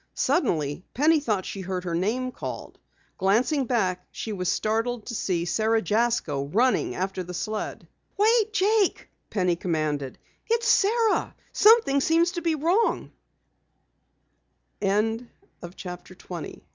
Suddenly Penny thought she heard her name called. Glancing back she was startled to see Sara Jasko running after the sled. "Wait, Jake!" Penny commanded. "It's Sara! Something seems to be wrong!" CHAPTER 21 OLD PETER'S DISAPPEARANCE "Whoa!"